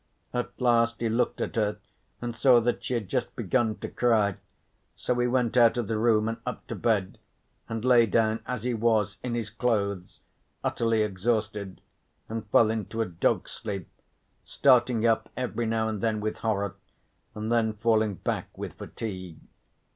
At last he looked at her and saw that she had just begun to cry, so he went out of the room and up to bed, and lay down as he was, in his clothes, utterly exhausted, and fell into a dog's sleep, starting up every now and then with horror, and then falling back with fatigue.